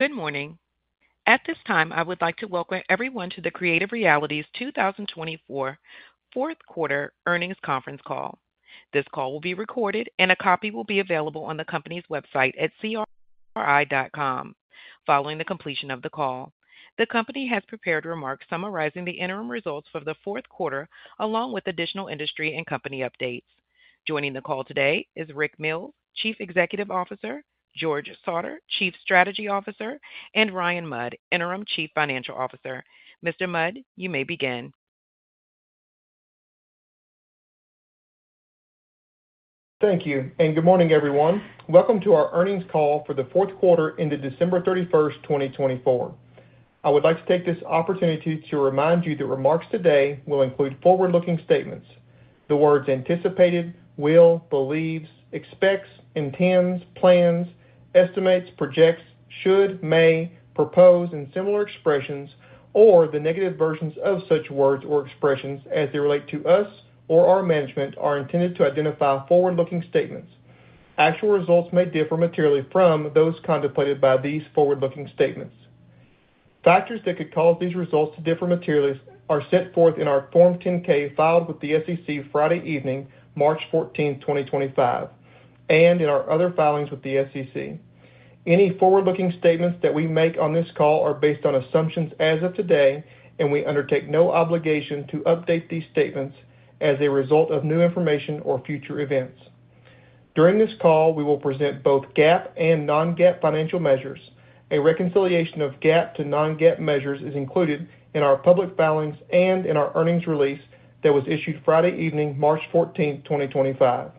Good morning. At this time, I would like to welcome everyone to the Creative Realities 2024 fourth quarter earnings conference call. This call will be recorded, and a copy will be available on the company's website at cri.com Following the completion of the call, the company has prepared remarks summarizing the interim results for the fourth quarter, along with additional industry and company updates. Joining the call today is Rick Mills, Chief Executive Officer, George Sautter, Chief Strategy Officer, and Ryan Mudd, Interim Chief Financial Officer. Mr. Mudd, you may begin. Thank you. Good morning, everyone. Welcome to our earnings call for the fourth quarter ended December 31, 2024. I would like to take this opportunity to remind you that remarks today will include forward-looking statements. The words anticipated, will, believes, expects, intends, plans, estimates, projects, should, may, propose, and similar expressions, or the negative versions of such words or expressions as they relate to us or our management, are intended to identify forward-looking statements. Actual results may differ materially from those contemplated by these forward-looking statements. Factors that could cause these results to differ materially are set forth in our Form 10-K filed with the SEC Friday evening, March 14, 2025, and in our other filings with the SEC. Any forward-looking statements that we make on this call are based on assumptions as of today, and we undertake no obligation to update these statements as a result of new information or future events. During this call, we will present both GAAP and non-GAAP financial measures. A reconciliation of GAAP to non-GAAP measures is included in our public filings and in our earnings release that was issued Friday evening, March 14th, 2025.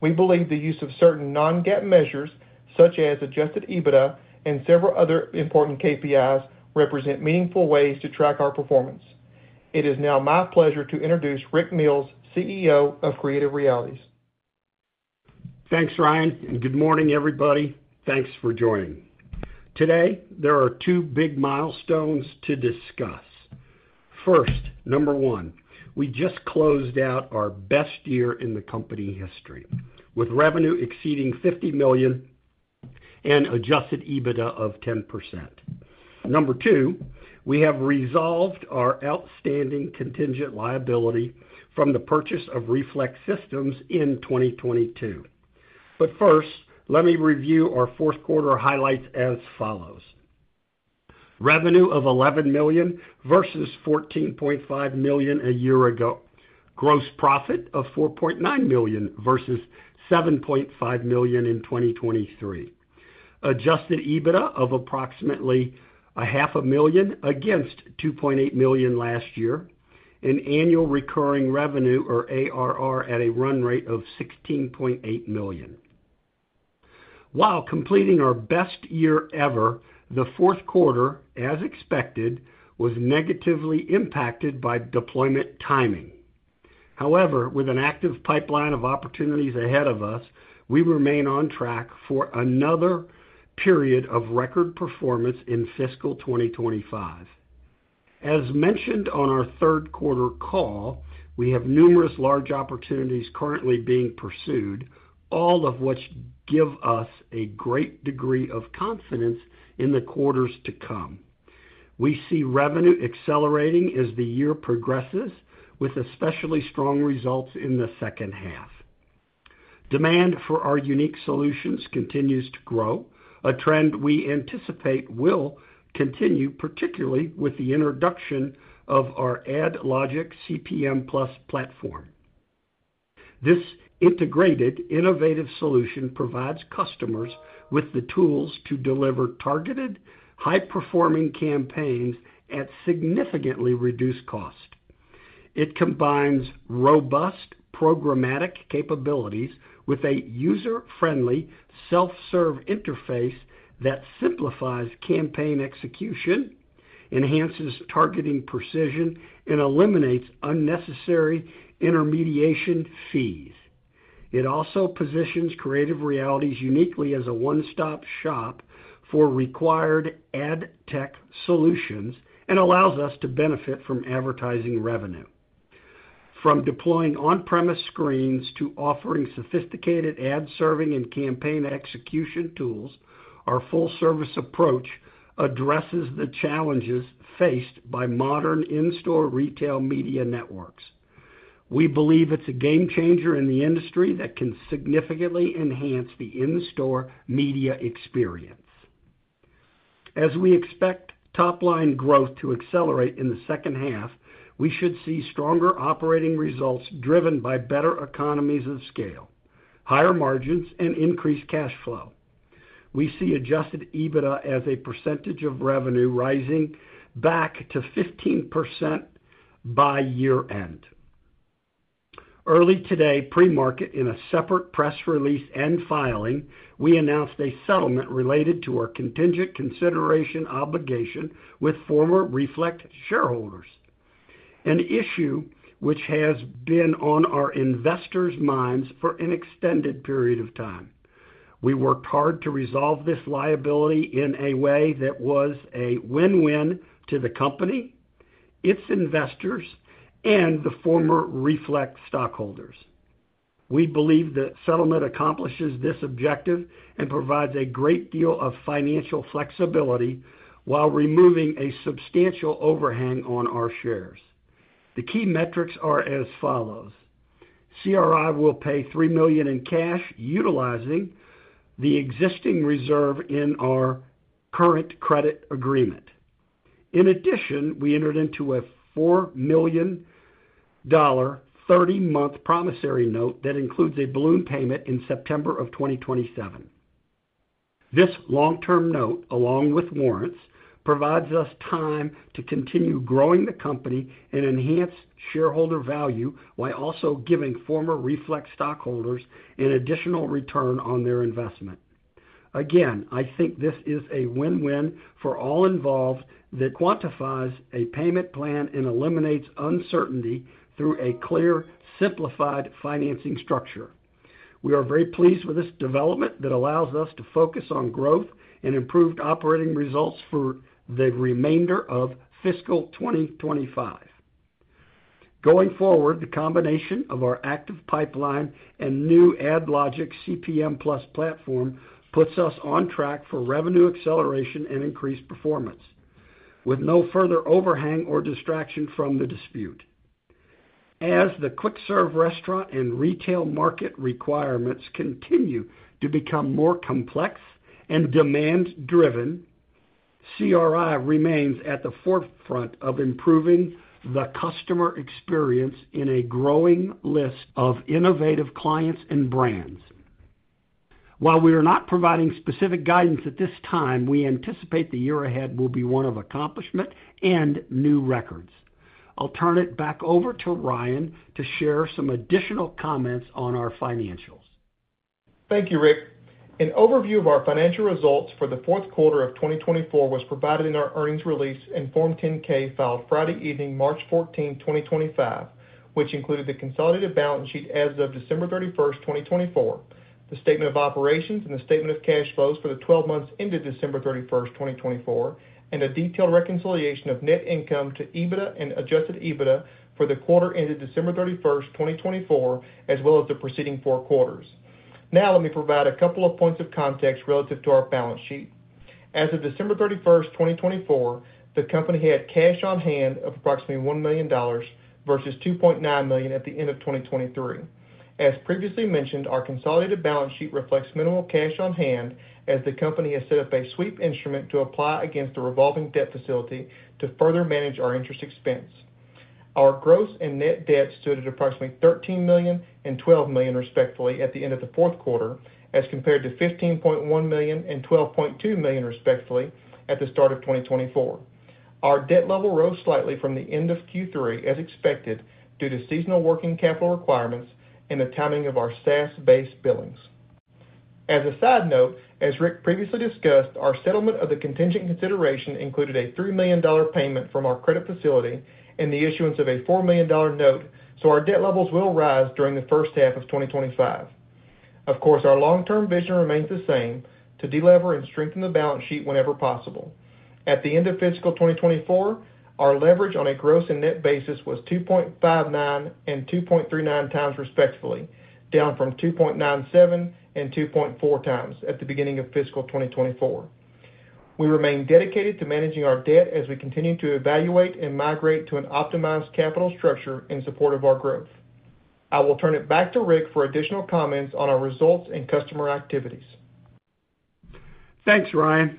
We believe the use of certain non-GAAP measures, such as adjusted EBITDA and several other important KPIs, represent meaningful ways to track our performance. It is now my pleasure to introduce Rick Mills, CEO of Creative Realities. Thanks, Ryan. Good morning, everybody. Thanks for joining. Today, there are two big milestones to discuss. First, number one, we just closed out our best year in the company history, with revenue exceeding $50 million and adjusted EBITDA of 10%. Number two, we have resolved our outstanding contingent liability from the purchase of Reflect Systems in 2022. First, let me review our fourth quarter highlights as follows: revenue of $11 million versus $14.5 million a year ago, gross profit of $4.9 million versus $7.5 million in 2023, adjusted EBITDA of approximately $500,000 against $2.8 million last year, and annual recurring revenue, or ARR, at a run rate of $16.8 million. While completing our best year ever, the fourth quarter, as expected, was negatively impacted by deployment timing. However, with an active pipeline of opportunities ahead of us, we remain on track for another period of record performance in fiscal 2025. As mentioned on our third quarter call, we have numerous large opportunities currently being pursued, all of which give us a great degree of confidence in the quarters to come. We see revenue accelerating as the year progresses, with especially strong results in the second half. Demand for our unique solutions continues to grow, a trend we anticipate will continue, particularly with the introduction of our AdLogic CPM Plus platform. This integrated, innovative solution provides customers with the tools to deliver targeted, high-performing campaigns at significantly reduced cost. It combines robust programmatic capabilities with a user-friendly, self-serve interface that simplifies campaign execution, enhances targeting precision, and eliminates unnecessary intermediation fees. It also positions Creative Realities uniquely as a one-stop shop for required ad tech solutions and allows us to benefit from advertising revenue. From deploying on-premise screens to offering sophisticated ad serving and campaign execution tools, our full-service approach addresses the challenges faced by modern in-store retail media networks. We believe it's a game changer in the industry that can significantly enhance the in-store media experience. As we expect top-line growth to accelerate in the second half, we should see stronger operating results driven by better economies of scale, higher margins, and increased cash flow. We see adjusted EBITDA as a percentage of revenue rising back to 15% by year-end. Early today, pre-market, in a separate press release and filing, we announced a settlement related to our contingent consideration obligation with former Reflect shareholders, an issue which has been on our investors' minds for an extended period of time. We worked hard to resolve this liability in a way that was a win-win to the company, its investors, and the former Reflect stockholders. We believe the settlement accomplishes this objective and provides a great deal of financial flexibility while removing a substantial overhang on our shares. The key metrics are as follows: CRI will pay $3 million in cash utilizing the existing reserve in our current credit agreement. In addition, we entered into a $4 million 30-month promissory note that includes a balloon payment in September of 2027. This long-term note, along with warrants, provides us time to continue growing the company and enhance shareholder value while also giving former Reflect stockholders an additional return on their investment. Again, I think this is a win-win for all involved that quantifies a payment plan and eliminates uncertainty through a clear, simplified financing structure. We are very pleased with this development that allows us to focus on growth and improved operating results for the remainder of fiscal 2025. Going forward, the combination of our active pipeline and new AdLogic CPM Plus platform puts us on track for revenue acceleration and increased performance, with no further overhang or distraction from the dispute. As the quick-serve restaurant and retail market requirements continue to become more complex and demand-driven, CRI remains at the forefront of improving the customer experience in a growing list of innovative clients and brands. While we are not providing specific guidance at this time, we anticipate the year ahead will be one of accomplishment and new records. I'll turn it back over to Ryan to share some additional comments on our financials. Thank you, Rick. An overview of our financial results for the fourth quarter of 2024 was provided in our earnings release and Form 10-K filed Friday evening, March 14, 2025, which included the consolidated balance sheet as of December 31, 2024, the statement of operations and the statement of cash flows for the 12 months ended December 31, 2024, and a detailed reconciliation of net income to EBITDA and adjusted EBITDA for the quarter ended December 31, 2024, as well as the preceding four quarters. Now, let me provide a couple of points of context relative to our balance sheet. As of December 31, 2024, the company had cash on hand of approximately $1 million versus $2.9 million at the end of 2023. As previously mentioned, our consolidated balance sheet reflects minimal cash on hand as the company has set up a sweep instrument to apply against the revolving debt facility to further manage our interest expense. Our gross and net debt stood at approximately $13 million and $12 million, respectively, at the end of the fourth quarter, as compared to $15.1 million and $12.2 million, respectively, at the start of 2024. Our debt level rose slightly from the end of Q3, as expected, due to seasonal working capital requirements and the timing of our SaaS-based billings. As a side note, as Rick previously discussed, our settlement of the contingent consideration included a $3 million payment from our credit facility and the issuance of a $4 million note, so our debt levels will rise during the first half of 2025. Of course, our long-term vision remains the same: to delever and strengthen the balance sheet whenever possible. At the end of fiscal 2024, our leverage on a gross and net basis was 2.59 and 2.39 times, respectively, down from 2.97 and 2.4 times at the beginning of fiscal 2024. We remain dedicated to managing our debt as we continue to evaluate and migrate to an optimized capital structure in support of our growth. I will turn it back to Rick for additional comments on our results and customer activities. Thanks, Ryan.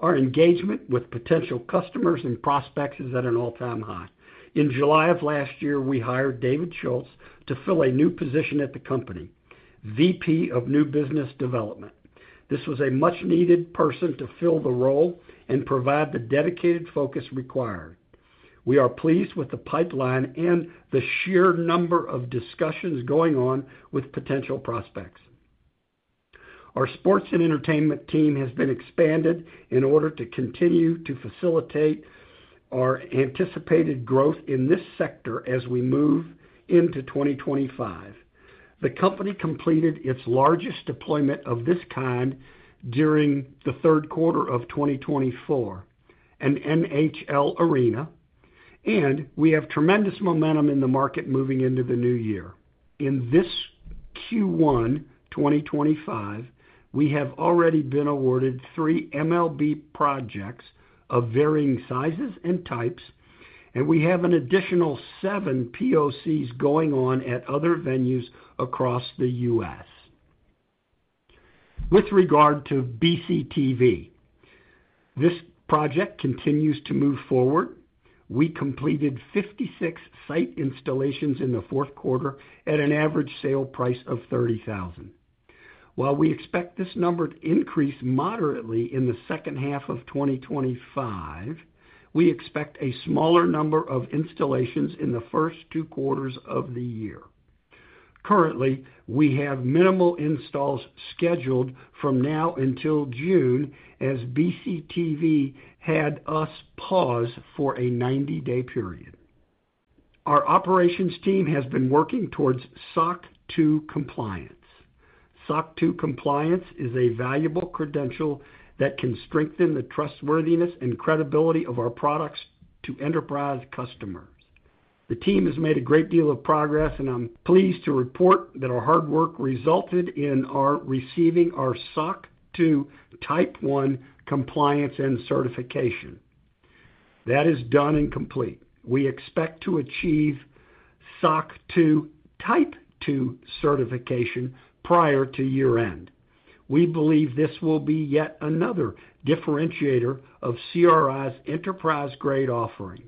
Our engagement with potential customers and prospects is at an all-time high. In July of last year, we hired David Schultz to fill a new position at the company, VP of New Business Development. This was a much-needed person to fill the role and provide the dedicated focus required. We are pleased with the pipeline and the sheer number of discussions going on with potential prospects. Our sports and entertainment team has been expanded in order to continue to facilitate our anticipated growth in this sector as we move into 2025. The company completed its largest deployment of this kind during the third quarter of 2024, an NHL arena, and we have tremendous momentum in the market moving into the new year. In this Q1 2025, we have already been awarded three MLB projects of varying sizes and types, and we have an additional seven POCs going on at other venues across the U.S. With regard to BCTV, this project continues to move forward. We completed 56 site installations in the fourth quarter at an average sale price of $30,000. While we expect this number to increase moderately in the second half of 2025, we expect a smaller number of installations in the first two quarters of the year. Currently, we have minimal installs scheduled from now until June, as BCTV had us pause for a 90-day period. Our operations team has been working towards SOC 2 compliance. SOC 2 compliance is a valuable credential that can strengthen the trustworthiness and credibility of our products to enterprise customers. The team has made a great deal of progress, and I'm pleased to report that our hard work resulted in our receiving our SOC 2 Type 1 compliance and certification. That is done and complete. We expect to achieve SOC 2 Type 2 certification prior to year-end. We believe this will be yet another differentiator of CRI's enterprise-grade offering.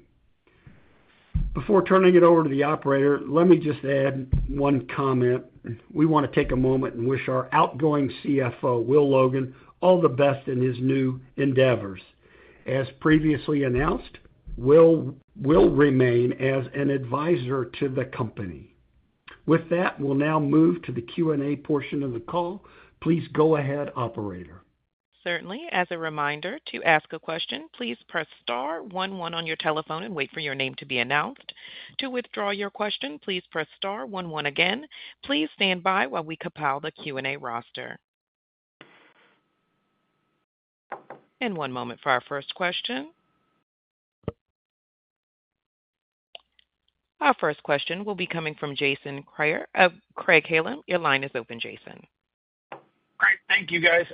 Before turning it over to the operator, let me just add one comment. We want to take a moment and wish our outgoing CFO, Will Logan, all the best in his new endeavors. As previously announced, Will will remain as an advisor to the company. With that, we'll now move to the Q&A portion of the call. Please go ahead, Operator. Certainly. As a reminder, to ask a question, please press star 11 on your telephone and wait for your name to be announced. To withdraw your question, please press star 11 again. Please stand by while we compile the Q&A roster. One moment for our first question. Our first question will be coming from Jason Kreyer. Your line is open, Jason. Great. Thank you, guys.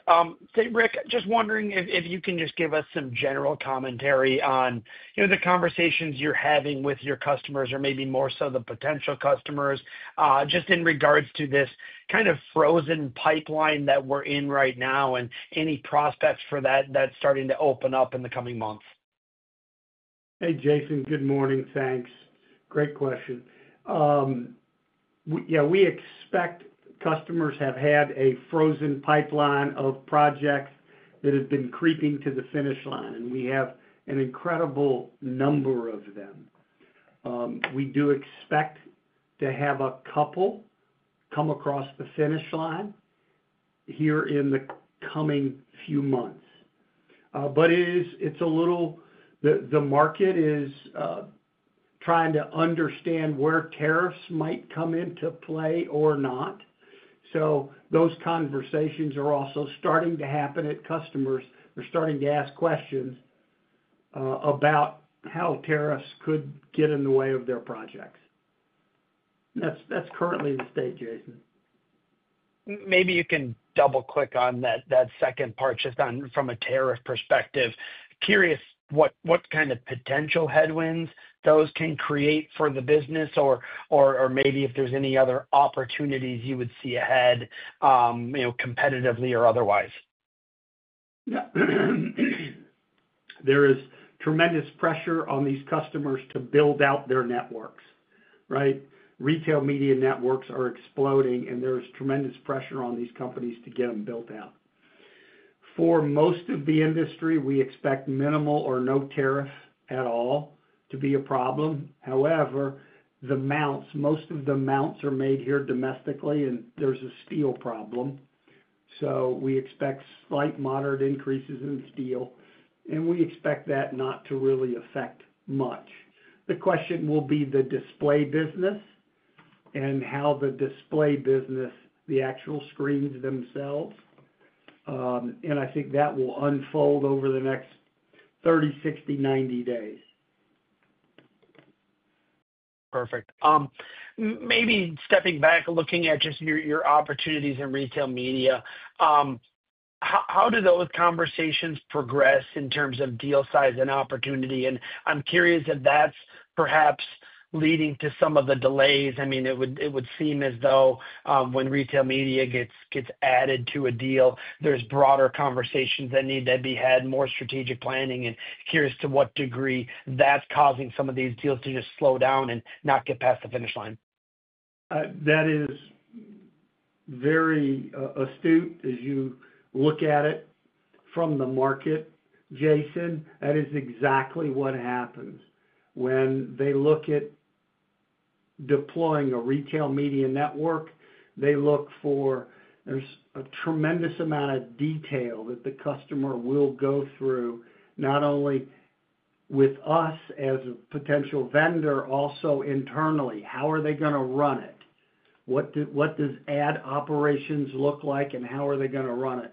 Hey, Rick, just wondering if you can just give us some general commentary on the conversations you're having with your customers, or maybe more so the potential customers, just in regards to this kind of frozen pipeline that we're in right now and any prospects for that that's starting to open up in the coming months. Hey, Jason. Good morning. Thanks. Great question. Yeah, we expect customers have had a frozen pipeline of projects that have been creeping to the finish line, and we have an incredible number of them. We do expect to have a couple come across the finish line here in the coming few months. It is a little—the market is trying to understand where tariffs might come into play or not. Those conversations are also starting to happen at customers. They're starting to ask questions about how tariffs could get in the way of their projects. That's currently the state, Jason. Maybe you can double-click on that second part, just on from a tariff perspective. Curious what kind of potential headwinds those can create for the business, or maybe if there's any other opportunities you would see ahead, competitively or otherwise. There is tremendous pressure on these customers to build out their networks, right? Retail media networks are exploding, and there is tremendous pressure on these companies to get them built out. For most of the industry, we expect minimal or no tariff at all to be a problem. However, the mounts—most of the mounts are made here domestically, and there's a steel problem. We expect slight moderate increases in steel, and we expect that not to really affect much. The question will be the display business and how the display business, the actual screens themselves. I think that will unfold over the next 30, 60, 90 days. Perfect. Maybe stepping back, looking at just your opportunities in retail media, how do those conversations progress in terms of deal size and opportunity? I'm curious if that's perhaps leading to some of the delays. I mean, it would seem as though when retail media gets added to a deal, there's broader conversations that need to be had, more strategic planning, and curious to what degree that's causing some of these deals to just slow down and not get past the finish line. That is very astute as you look at it from the market, Jason. That is exactly what happens. When they look at deploying a retail media network, they look for—there is a tremendous amount of detail that the customer will go through, not only with us as a potential vendor, also internally. How are they going to run it? What does ad operations look like, and how are they going to run it?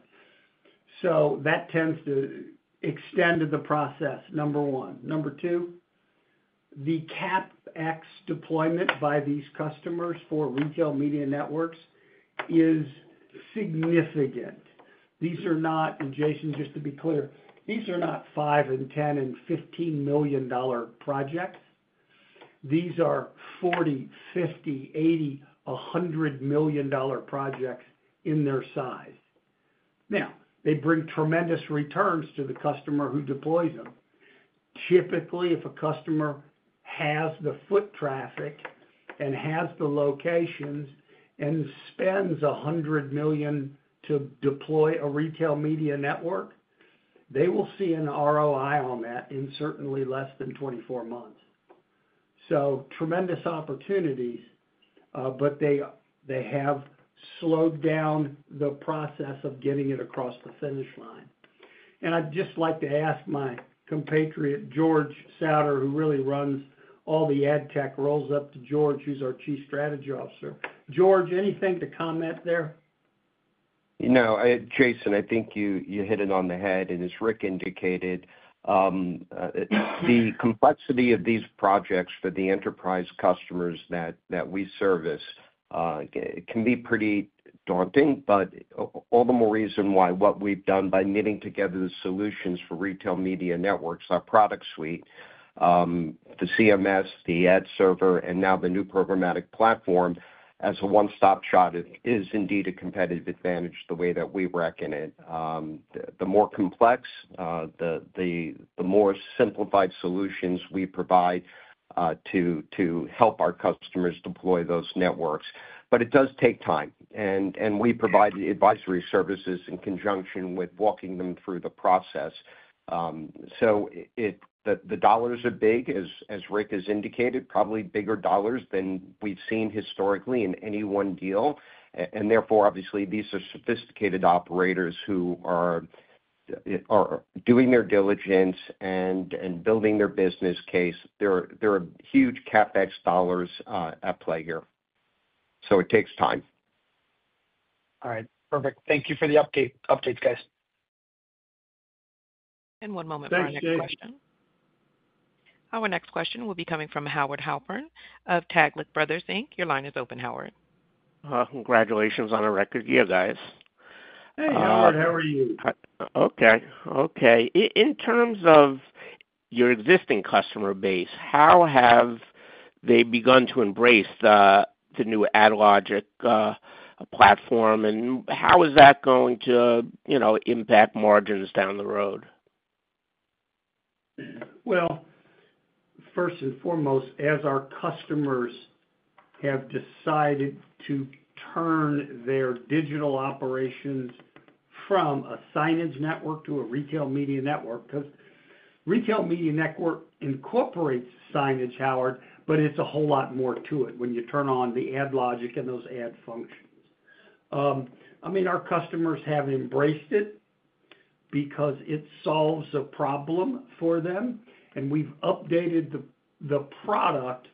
That tends to extend the process, number one. Number two, the CapEx deployment by these customers for retail media networks is significant. These are not—and Jason, just to be clear, these are not $5 million and $10 million and $15 million projects. These are $40 million, $50 million, $80 million, $100 million projects in their size. They bring tremendous returns to the customer who deploys them. Typically, if a customer has the foot traffic and has the locations and spends $100 million to deploy a retail media network, they will see an ROI on that in certainly less than 24 months. Tremendous opportunities, but they have slowed down the process of getting it across the finish line. I'd just like to ask my compatriot, George Sautter, who really runs all the ad tech, rolls up to George, who's our Chief Strategy Officer. George, anything to comment there? No, Jason, I think you hit it on the head. As Rick indicated, the complexity of these projects for the enterprise customers that we service can be pretty daunting, but all the more reason why what we've done by knitting together the solutions for retail media networks, our product suite, the CMS, the ad server, and now the new programmatic platform as a one-stop shop is indeed a competitive advantage the way that we reckon it. The more complex, the more simplified solutions we provide to help our customers deploy those networks. It does take time. We provide advisory services in conjunction with walking them through the process. The dollars are big, as Rick has indicated, probably bigger dollars than we've seen historically in any one deal. Therefore, obviously, these are sophisticated operators who are doing their diligence and building their business case. There are huge CapEx dollars at play here. It takes time. All right. Perfect. Thank you for the updates, guys. One moment for our next question. Thanks, Jason. Our next question will be coming from Howard Halpern of Taglich Brothers, Inc. Your line is open, Howard. Congratulations on a record year, guys. Hey, Howard. How are you? Okay. Okay. In terms of your existing customer base, how have they begun to embrace the new AdLogic platform, and how is that going to impact margins down the road? First and foremost, as our customers have decided to turn their digital operations from a signage network to a retail media network, because retail media network incorporates signage, Howard, but there is a whole lot more to it when you turn on the AdLogic and those ad functions. I mean, our customers have embraced it because it solves a problem for them, and we have updated the product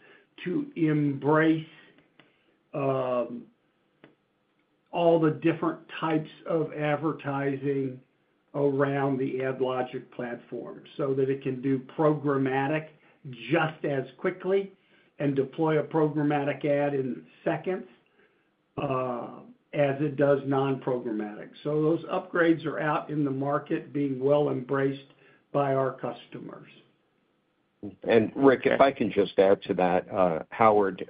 to embrace all the different types of advertising around the AdLogic platform so that it can do programmatic just as quickly and deploy a programmatic ad in seconds as it does non-programmatic. Those upgrades are out in the market being well embraced by our customers. Rick, if I can just add to that, Howard,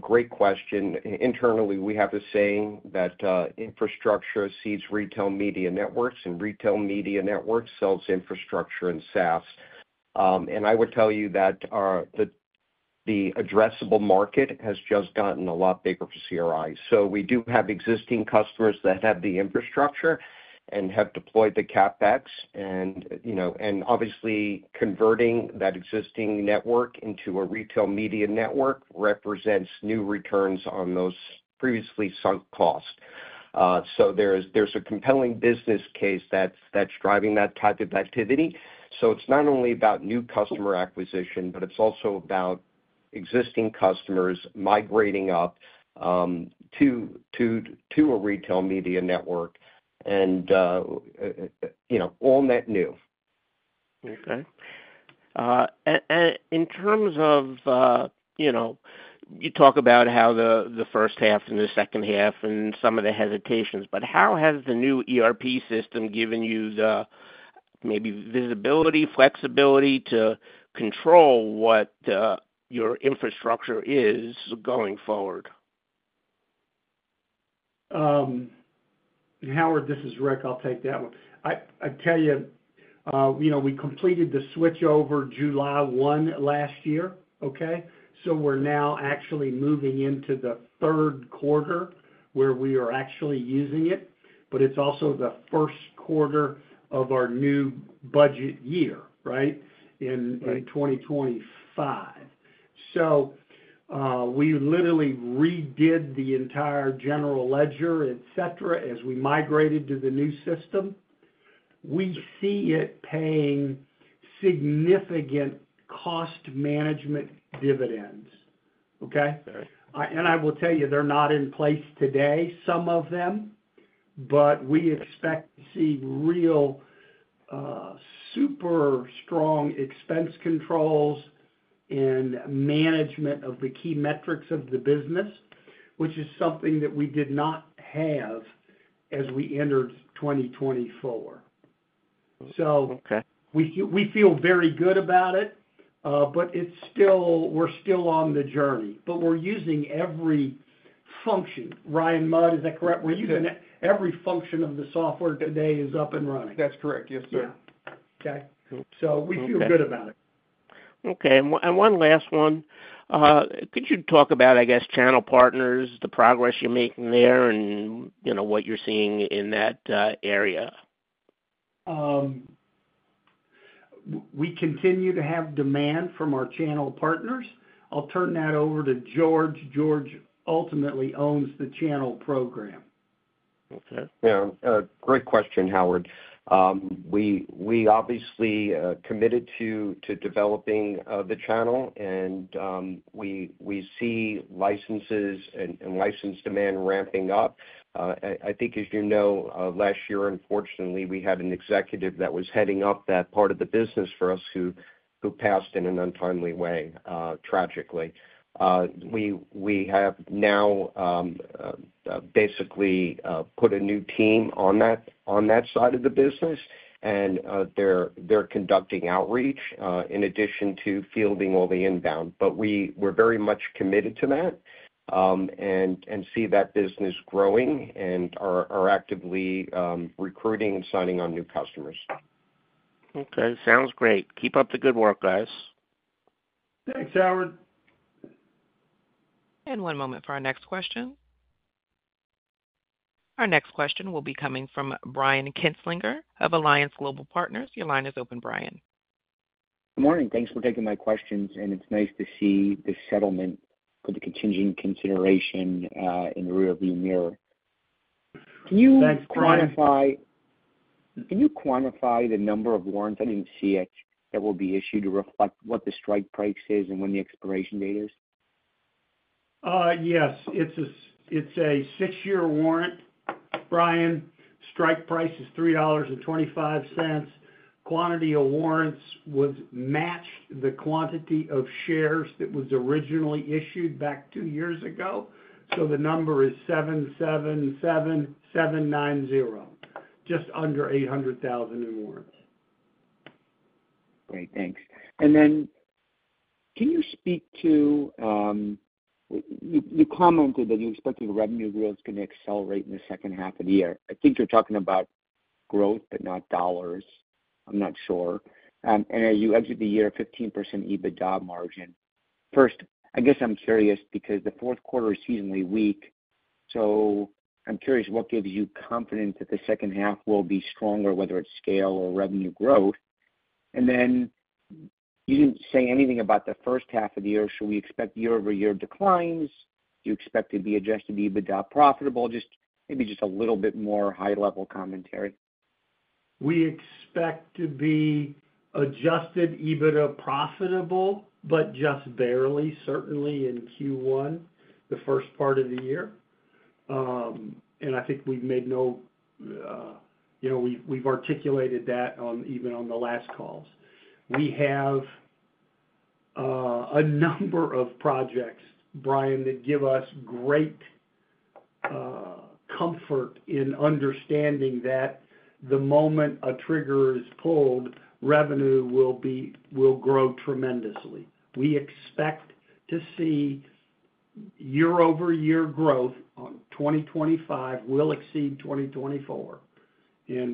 great question. Internally, we have a saying that infrastructure seeds retail media networks, and retail media networks sells infrastructure and SaaS. I would tell you that the addressable market has just gotten a lot bigger for CRI. We do have existing customers that have the infrastructure and have deployed the CapEx. Obviously, converting that existing network into a retail media network represents new returns on those previously sunk costs. There is a compelling business case that is driving that type of activity. It is not only about new customer acquisition, but it is also about existing customers migrating up to a retail media network and all net new. Okay. In terms of you talk about how the first half and the second half and some of the hesitations, how has the new ERP system given you the maybe visibility, flexibility to control what your infrastructure is going forward? Howard, this is Rick. I'll take that one. I tell you, we completed the switchover July 1 last year, okay? We are now actually moving into the third quarter where we are actually using it, but it is also the first quarter of our new budget year, right, in 2025. We literally redid the entire general ledger, etc., as we migrated to the new system. We see it paying significant cost management dividends, okay? I will tell you, they are not in place today, some of them, but we expect to see real super strong expense controls and management of the key metrics of the business, which is something that we did not have as we entered 2024. We feel very good about it, but we are still on the journey. We are using every function. Ryan Mudd, is that correct? Yes. We're using every function of the software today. It is up and running. That's correct. Yes, sir. Yeah. We feel good about it. Okay. And one last one. Could you talk about, I guess, channel partners, the progress you're making there and what you're seeing in that area? We continue to have demand from our channel partners. I'll turn that over to George. George ultimately owns the channel program. Okay. Yeah. Great question, Howard. We obviously committed to developing the channel, and we see licenses and license demand ramping up. I think, as you know, last year, unfortunately, we had an executive that was heading up that part of the business for us who passed in an untimely way, tragically. We have now basically put a new team on that side of the business, and they're conducting outreach in addition to fielding all the inbound. We are very much committed to that and see that business growing and are actively recruiting and signing on new customers. Okay. Sounds great. Keep up the good work, guys. Thanks, Howard. One moment for our next question. Our next question will be coming from Brian Kinstlinger of Alliance Global Partners. Your line is open, Brian. Good morning. Thanks for taking my questions, and it's nice to see the settlement for the contingent consideration in the rearview mirror. Thanks, Brian. Can you quantify the number of warrants? I didn't see it that will be issued to reflect what the strike price is and when the expiration date is? Yes. It's a six-year warrant, Brian. Strike price is $3.25. Quantity of warrants was matched to the quantity of shares that was originally issued back two years ago. The number is 777,790, just under 800,000 in warrants. Great. Thanks. Can you speak to you commented that you expect your revenue growth is going to accelerate in the second half of the year. I think you're talking about growth, but not dollars. I'm not sure. You exit the year at 15% EBITDA margin. First, I guess I'm curious because the fourth quarter is seasonally weak. I am curious what gives you confidence that the second half will be stronger, whether it's scale or revenue growth. You didn't say anything about the first half of the year. Do we expect year-over-year declines. Do you expect to be adjusted EBITDA profitable. Maybe just a little bit more high-level commentary. We expect to be adjusted EBITDA profitable, but just barely, certainly in Q1, the first part of the year. I think we've made no—we've articulated that even on the last calls. We have a number of projects, Brian, that give us great comfort in understanding that the moment a trigger is pulled, revenue will grow tremendously. We expect to see year-over-year growth. 2025 will exceed 2024.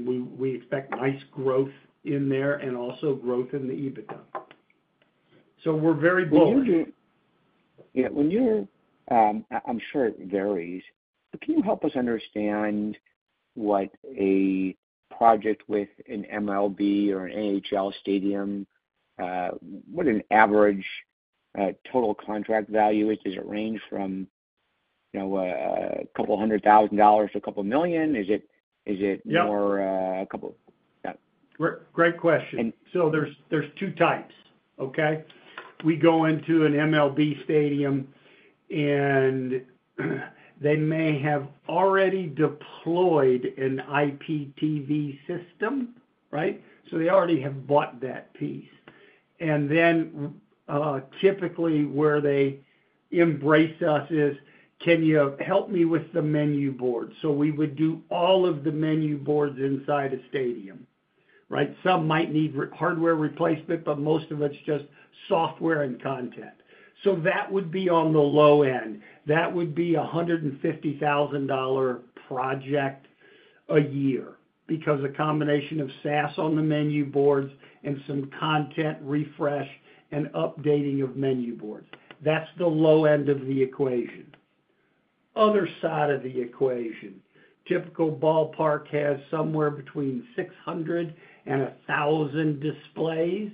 We expect nice growth in there and also growth in the EBITDA. We are very bullish. Yeah. I'm sure it varies. Can you help us understand what a project with an MLB or an NHL stadium, what an average total contract value is? Does it range from a couple of hundred thousand dollars to a couple of million? Is it more a couple? Great question. There are two types, okay? We go into an MLB stadium, and they may have already deployed an IPTV system, right? They already have bought that piece. Typically where they embrace us is, "Can you help me with the menu board?" We would do all of the menu boards inside a stadium, right? Some might need hardware replacement, but most of it is just software and content. That would be on the low end. That would be a $150,000 project a year because a combination of SaaS on the menu boards and some content refresh and updating of menu boards. That is the low end of the equation. On the other side of the equation, a typical ballpark has somewhere between 600 and 1,000 displays,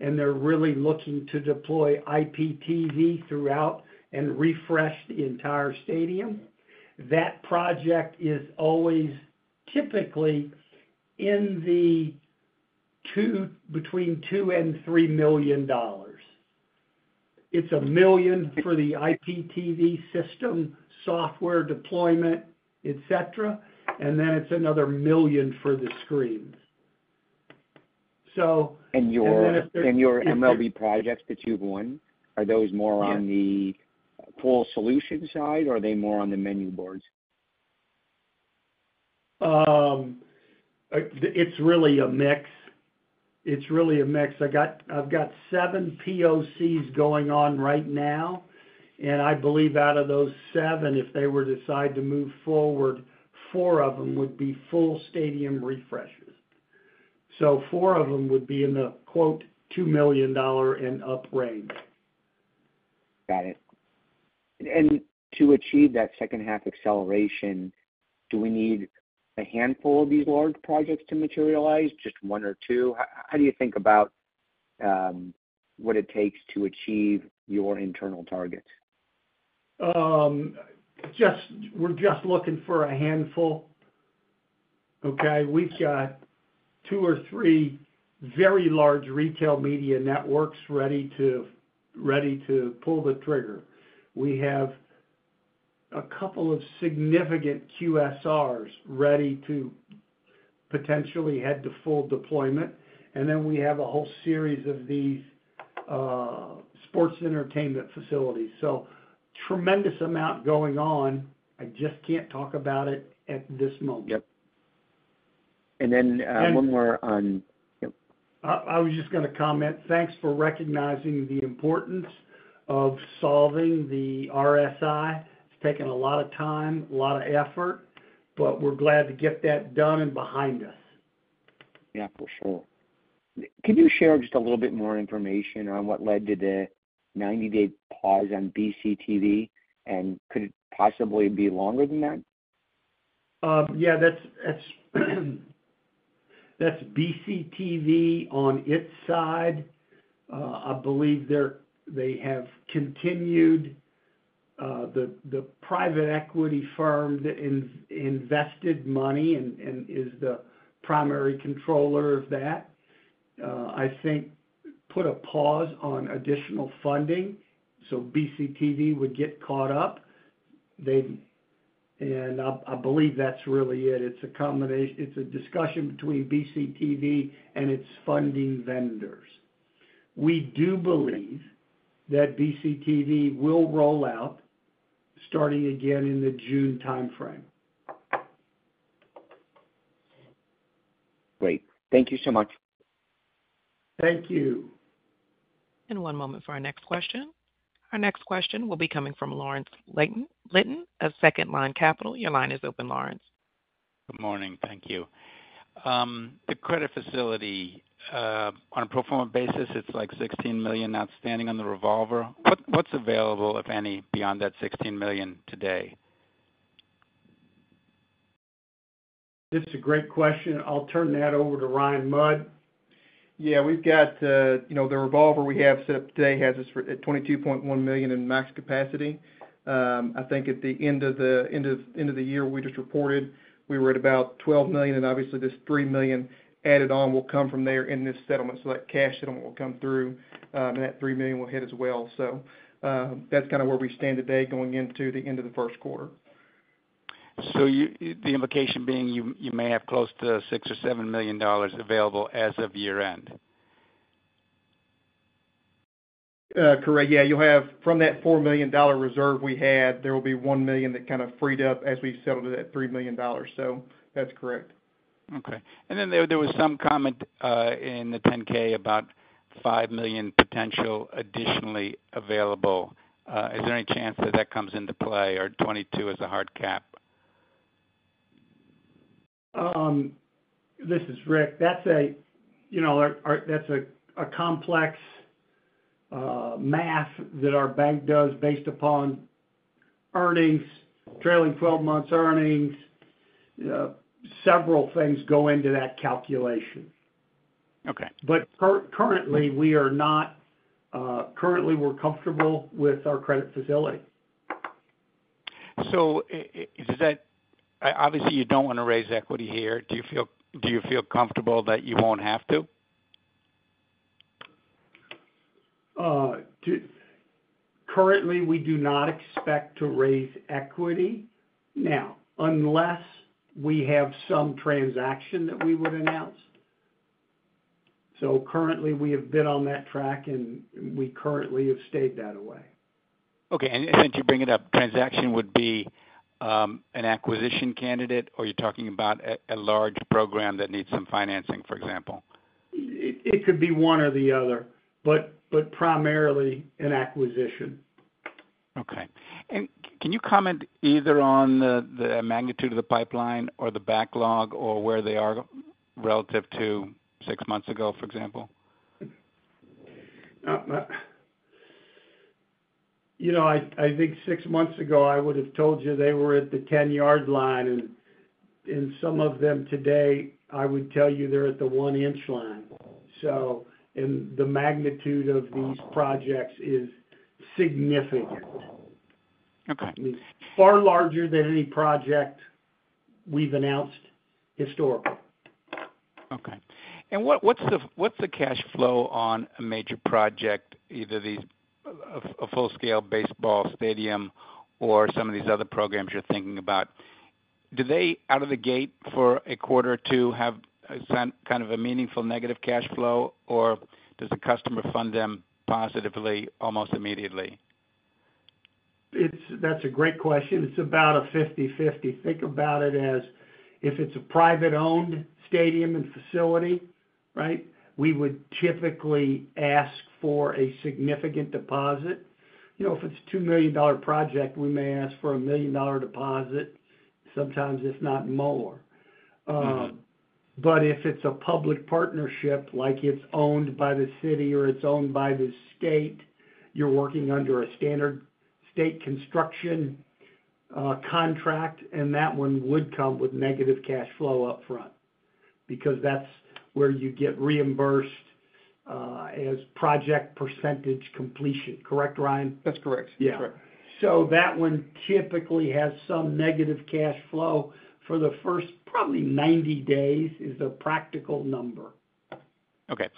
and they are really looking to deploy IPTV throughout and refresh the entire stadium. That project is always typically in the between $2 million and $3 million. It's $1 million for the IPTV system, software deployment, etc., and then it's another $1 million for the screens. Your MLB projects that you've won, are those more on the full solution side, or are they more on the menu boards? It's really a mix. It's really a mix. I've got seven POCs going on right now, and I believe out of those seven, if they were to decide to move forward, four of them would be full stadium refreshes. Four of them would be in the $2 million and up range. Got it. To achieve that second-half acceleration, do we need a handful of these large projects to materialize, just one or two? How do you think about what it takes to achieve your internal targets? We're just looking for a handful, okay? We've got two or three very large retail media networks ready to pull the trigger. We have a couple of significant QSRs ready to potentially head to full deployment. We have a whole series of these sports entertainment facilities. Tremendous amount going on. I just can't talk about it at this moment. Yep. And then one more on. I was just going to comment. Thanks for recognizing the importance of solving the RSI. It's taken a lot of time, a lot of effort, but we're glad to get that done and behind us. Yeah, for sure. Could you share just a little bit more information on what led to the 90-day pause on BCTV, and could it possibly be longer than that? Yeah. That's BCTV on its side. I believe they have continued. The private equity firm that invested money and is the primary controller of that, I think, put a pause on additional funding. BCTV would get caught up. I believe that's really it. It's a discussion between BCTV and its funding vendors. We do believe that BCTV will roll out starting again in the June timeframe. Great. Thank you so much. Thank you. One moment for our next question. Our next question will be coming from Laurence Lytton at Second Line Capital. Your line is open, Laurence. Good morning. Thank you. The credit facility, on a pro forma basis, it's like $16 million outstanding on the Revolver. What's available, if any, beyond that $16 million today? That's a great question. I'll turn that over to Ryan Mudd. Yeah. We've got the Revolver we have set up today has us at $22.1 million in max capacity. I think at the end of the year we just reported, we were at about $12 million, and obviously this $3 million added on will come from there in this settlement. That cash settlement will come through, and that $3 million will hit as well. That's kind of where we stand today going into the end of the first quarter. The implication being you may have close to $6 million-$7 million available as of year-end? Correct. Yeah. From that $4 million reserve we had, there will be $1 million that kind of freed up as we settled at that $3 million. That is correct. Okay. There was some comment in the 10-K about $5 million potential additionally available. Is there any chance that that comes into play, or 22 is a hard cap? This is Rick. That's a complex math that our bank does based upon earnings, trailing 12 months earnings. Several things go into that calculation. Currently, we are comfortable with our credit facility. Obviously, you don't want to raise equity here. Do you feel comfortable that you won't have to? Currently, we do not expect to raise equity now, unless we have some transaction that we would announce. Currently, we have been on that track, and we currently have stayed that way. Okay. Since you bring it up, transaction would be an acquisition candidate, or you're talking about a large program that needs some financing, for example? It could be one or the other, but primarily an acquisition. Okay. Can you comment either on the magnitude of the pipeline or the backlog or where they are relative to six months ago, for example? I think six months ago, I would have told you they were at the 10-yard line. Some of them today, I would tell you they're at the one-inch line. The magnitude of these projects is significant. I mean, far larger than any project we've announced historically. Okay. What is the cash flow on a major project, either a full-scale baseball stadium or some of these other programs you are thinking about? Do they, out of the gate, for a quarter or two, have kind of a meaningful negative cash flow, or does the customer fund them positively almost immediately? That's a great question. It's about a 50/50. Think about it as if it's a private-owned stadium and facility, right? We would typically ask for a significant deposit. If it's a $2 million project, we may ask for a $1 million deposit, sometimes if not more. If it's a public partnership, like it's owned by the city or it's owned by the state, you're working under a standard state construction contract, and that one would come with negative cash flow upfront because that's where you get reimbursed as project percentage completion. Correct, Ryan? That's correct. Yeah. That one typically has some negative cash flow for the first probably 90 days is a practical number. Okay.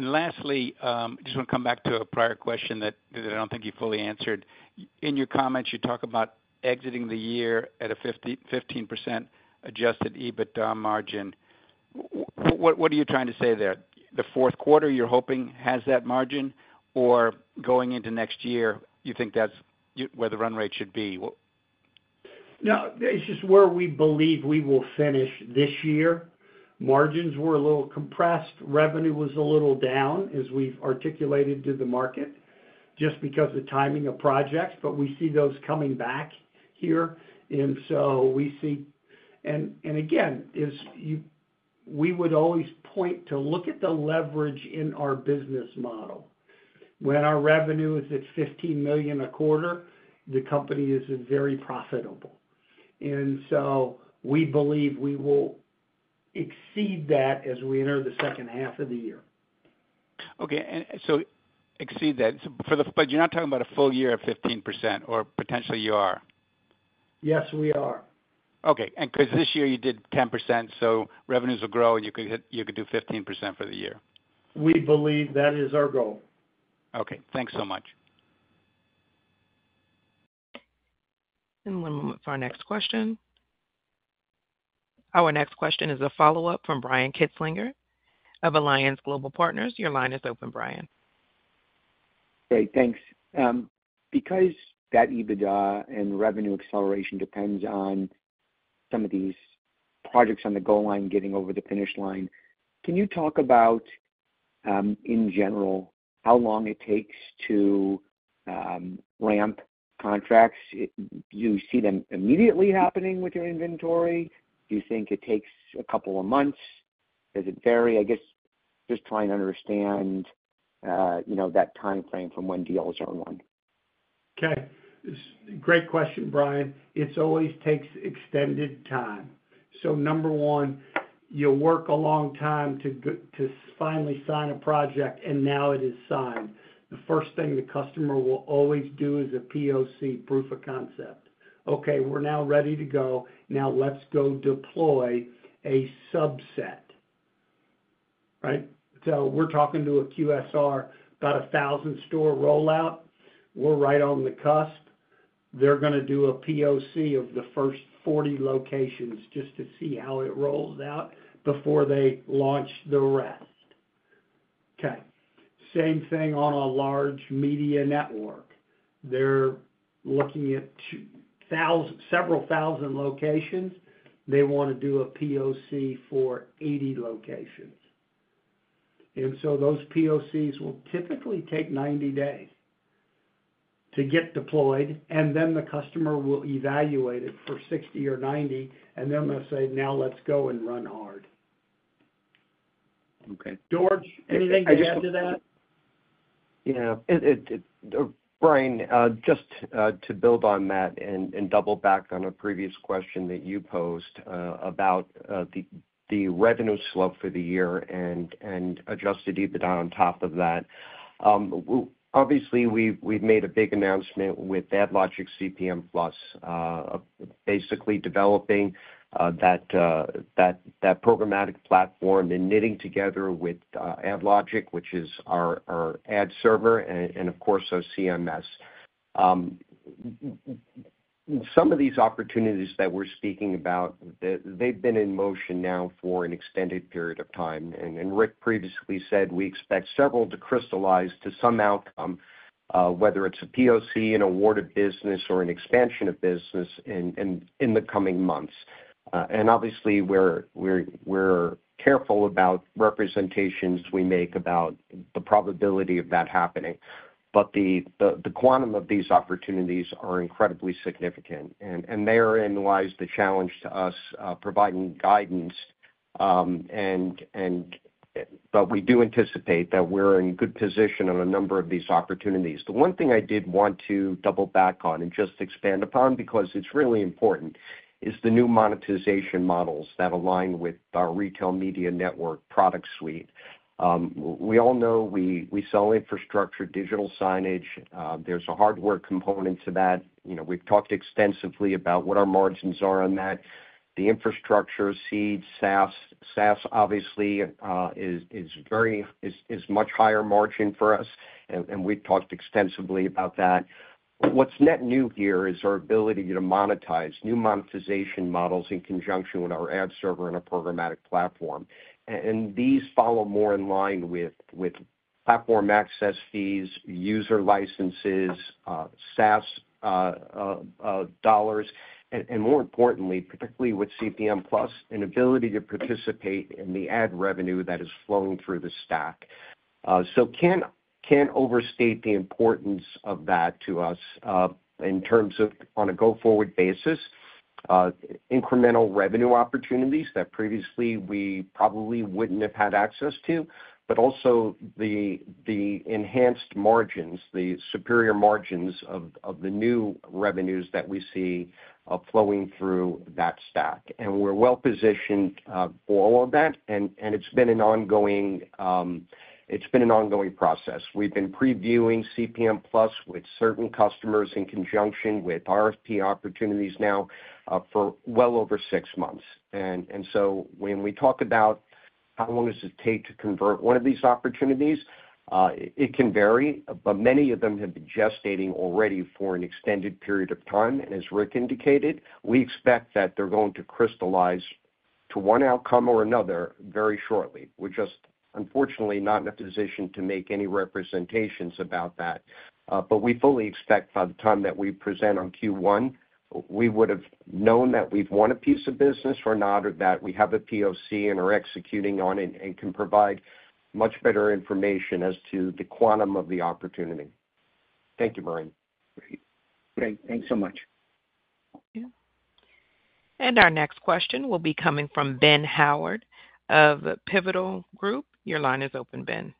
Lastly, I just want to come back to a prior question that I do not think you fully answered. In your comments, you talk about exiting the year at a 15% adjusted EBITDA margin. What are you trying to say there? The fourth quarter, you are hoping has that margin, or going into next year, you think that is where the run rate should be? No. It's just where we believe we will finish this year. Margins were a little compressed. Revenue was a little down, as we've articulated to the market, just because of the timing of projects. We see those coming back here. We see, and again, we would always point to look at the leverage in our business model. When our revenue is at $15 million a quarter, the company is very profitable. We believe we will exceed that as we enter the second half of the year. Okay. And to exceed that. But you're not talking about a full year of 15%, or potentially you are? Yes, we are. Okay. Because this year you did 10%, revenues will grow, and you could do 15% for the year. We believe that is our goal. Okay. Thanks so much. One moment for our next question. Our next question is a follow-up from Brian Kinstlinger of Alliance Global Partners. Your line is open, Brian. Great. Thanks. Because that EBITDA and revenue acceleration depends on some of these projects on the goal line getting over the finish line, can you talk about, in general, how long it takes to ramp contracts? Do you see them immediately happening with your inventory? Do you think it takes a couple of months? Does it vary? I guess just trying to understand that timeframe from when deals are won. Okay. Great question, Brian. It always takes extended time. Number one, you work a long time to finally sign a project, and now it is signed. The first thing the customer will always do is a POC, proof of concept. Okay, we're now ready to go. Now let's go deploy a subset, right? We're talking to a QSR about a 1,000-store rollout. We're right on the cusp. They're going to do a POC of the first 40 locations just to see how it rolls out before they launch the rest. Same thing on a large media network. They're looking at several thousand locations. They want to do a POC for 80 locations. Those POCs will typically take 90 days to get deployed, and then the customer will evaluate it for 60 or 90, and then they'll say, "Now let's go and run hard." George, anything to add to that? Yeah. Brian, just to build on that and double back on a previous question that you posed about the revenue slope for the year and adjusted EBITDA on top of that, obviously, we've made a big announcement with AdLogic CPM Plus, basically developing that programmatic platform and knitting together with AdLogic, which is our ad server, and of course, our CMS. Some of these opportunities that we're speaking about, they've been in motion now for an extended period of time. Rick previously said we expect several to crystallize to some outcome, whether it's a POC, an award of business, or an expansion of business in the coming months. Obviously, we're careful about representations we make about the probability of that happening. The quantum of these opportunities are incredibly significant. Therein lies the challenge to us providing guidance. We do anticipate that we're in good position on a number of these opportunities. The one thing I did want to double back on and just expand upon because it's really important is the new monetization models that align with our retail media network product suite. We all know we sell infrastructure, digital signage. There's a hardware component to that. We've talked extensively about what our margins are on that. The infrastructure, seats, SaaS. SaaS, obviously, is much higher margin for us, and we've talked extensively about that. What's net new here is our ability to monetize new monetization models in conjunction with our ad server and our programmatic platform. These follow more in line with platform access fees, user licenses, SaaS dollars, and more importantly, particularly with CPM Plus, an ability to participate in the ad revenue that is flowing through the stack. I cannot overstate the importance of that to us in terms of, on a go-forward basis, incremental revenue opportunities that previously we probably would not have had access to, but also the enhanced margins, the superior margins of the new revenues that we see flowing through that stack. We are well-positioned for all of that, and it has been an ongoing process. We have been previewing CPM Plus with certain customers in conjunction with RFP opportunities now for well over six months. When we talk about how long it takes to convert one of these opportunities, it can vary, but many of them have been gestating already for an extended period of time. As Rick indicated, we expect that they are going to crystallize to one outcome or another very shortly. We are just, unfortunately, not in a position to make any representations about that. We fully expect by the time that we present on Q1, we would have known that we've won a piece of business or not, or that we have a POC and are executing on it and can provide much better information as to the quantum of the opportunity. Thank you, Brian. Great. Thanks so much. Thank you. Our next question will be coming from Ben Howard of Pivotal Group. Your line is open, Ben.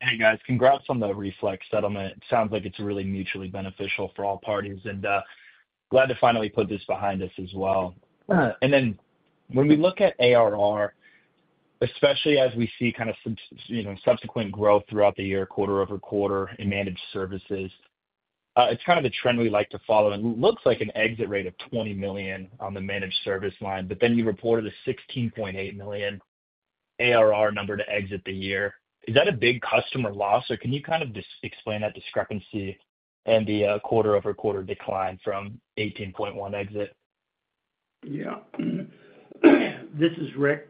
Hey, guys. Congrats on the Reflect settlement. It sounds like it's really mutually beneficial for all parties, and glad to finally put this behind us as well. When we look at ARR, especially as we see kind of subsequent growth throughout the year, quarter over quarter in managed services, it's kind of a trend we like to follow. It looks like an exit rate of $20 million on the managed service line, but then you reported a $16.8 million ARR number to exit the year. Is that a big customer loss, or can you kind of explain that discrepancy and the quarter over quarter decline from $18.1 million exit? Yeah. This is Rick.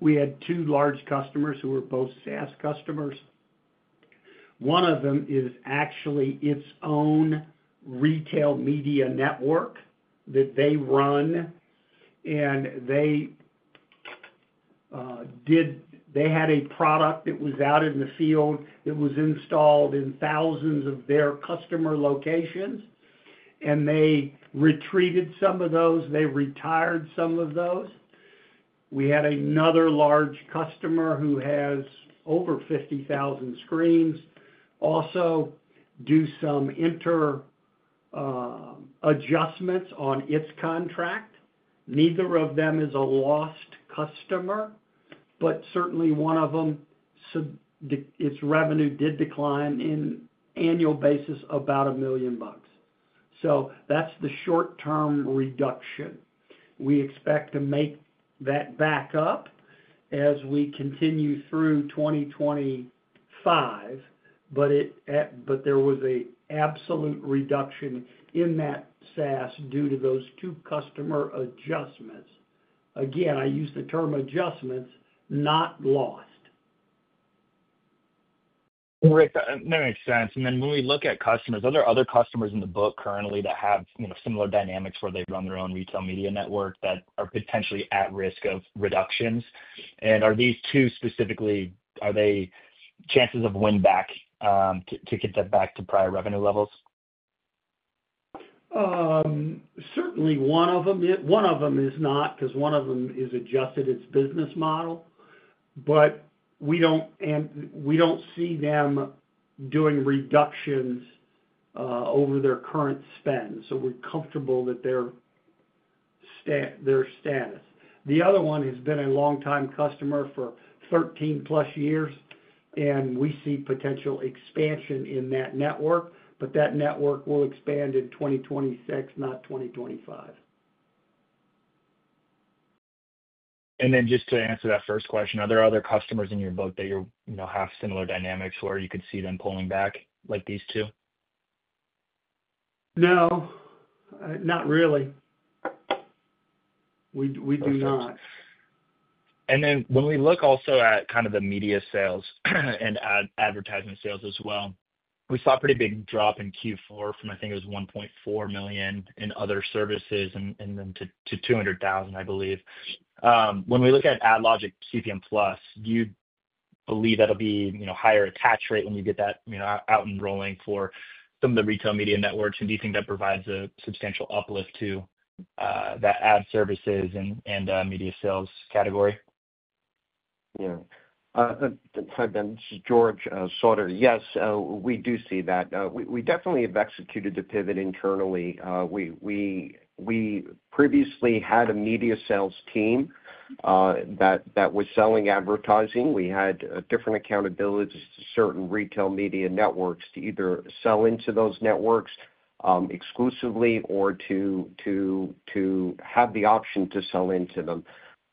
We had two large customers who were both SaaS customers. One of them is actually its own retail media network that they run, and they had a product that was out in the field that was installed in thousands of their customer locations, and they retreated some of those. They retired some of those. We had another large customer who has over 50,000 screens, also do some inter-adjustments on its contract. Neither of them is a lost customer, but certainly one of them, its revenue did decline in annual basis about $1 million. That is the short-term reduction. We expect to make that back up as we continue through 2025, but there was an absolute reduction in that SaaS due to those two customer adjustments. Again, I use the term adjustments, not lost. Rick, that makes sense. When we look at customers, are there other customers in the book currently that have similar dynamics where they run their own retail media network that are potentially at risk of reductions? Are these two specifically, are there chances of winning back to get them back to prior revenue levels? Certainly, one of them is. One of them is not because one of them has adjusted its business model, but we do not see them doing reductions over their current spend. We are comfortable with their status. The other one has been a longtime customer for 13-plus years, and we see potential expansion in that network, but that network will expand in 2026, not 2025. Just to answer that first question, are there other customers in your book that have similar dynamics where you could see them pulling back like these two? No. Not really. We do not. When we look also at kind of the media sales and advertising sales as well, we saw a pretty big drop in Q4 from, I think it was $1.4 million in other services and then to $200,000, I believe. When we look at AdLogic CPM Plus, do you believe that'll be a higher attach rate when you get that out and rolling for some of the retail media networks? And do you think that provides a substantial uplift to that ad services and media sales category? Yeah. Hi, Ben. This is George Sautter. Yes, we do see that. We definitely have executed the pivot internally. We previously had a media sales team that was selling advertising. We had different accountabilities to certain retail media networks to either sell into those networks exclusively or to have the option to sell into them.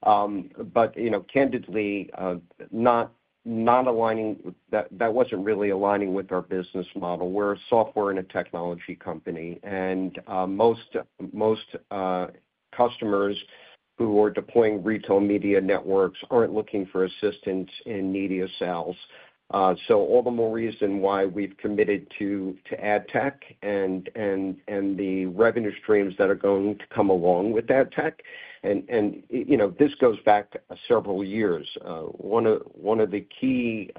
Candidly, that was not really aligning with our business model. We are a software and a technology company, and most customers who are deploying retail media networks are not looking for assistance in media sales. All the more reason why we have committed to ad tech and the revenue streams that are going to come along with ad tech. This goes back several years. One of the key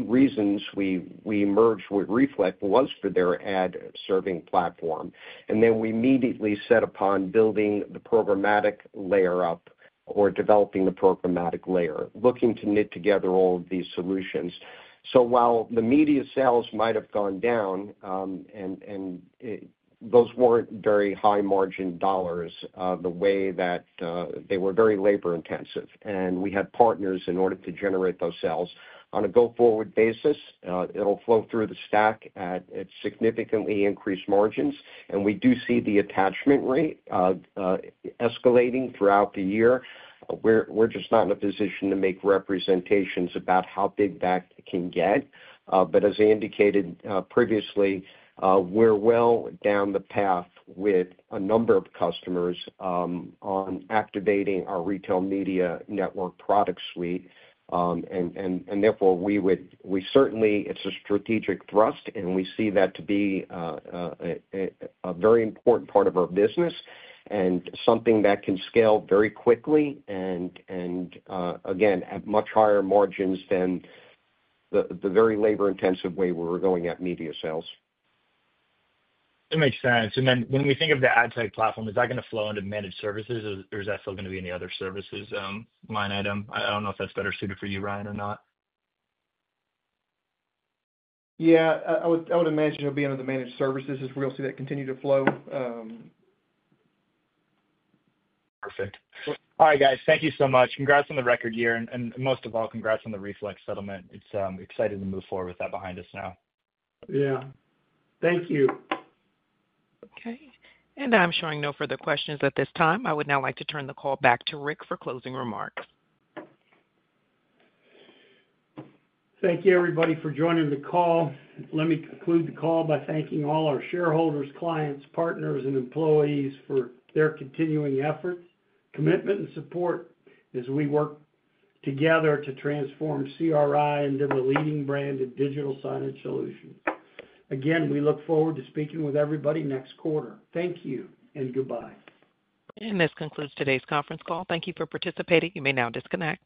reasons we merged with Reflect was for their ad serving platform. We immediately set upon building the programmatic layer up or developing the programmatic layer, looking to knit together all of these solutions. While the media sales might have gone down and those were not very high margin dollars, they were very labor intensive. We had partners in order to generate those sales. On a go-forward basis, it will flow through the stack at significantly increased margins. We do see the attachment rate escalating throughout the year. We are just not in a position to make representations about how big that can get. As I indicated previously, we are well down the path with a number of customers on activating our retail media network product suite. certainly see that as a strategic thrust, and we see that to be a very important part of our business and something that can scale very quickly and, again, at much higher margins than the very labor-intensive way we were going at media sales. That makes sense. When we think of the ad tech platform, is that going to flow into managed services, or is that still going to be in the other services line item? I don't know if that's better suited for you, Ryan, or not. Yeah. I would imagine it'll be under the managed services as we'll see that continue to flow. Perfect. All right, guys. Thank you so much. Congrats on the record year. And most of all, congrats on the Reflect settlement. It's exciting to move forward with that behind us now. Yeah. Thank you. Okay. I am showing no further questions at this time. I would now like to turn the call back to Rick for closing remarks. Thank you, everybody, for joining the call. Let me conclude the call by thanking all our shareholders, clients, partners, and employees for their continuing efforts, commitment, and support as we work together to transform CRI into the leading brand in digital signage solutions. Again, we look forward to speaking with everybody next quarter. Thank you and goodbye. This concludes today's conference call. Thank you for participating. You may now disconnect.